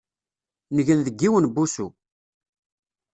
Ngen deg yiwen n wusu.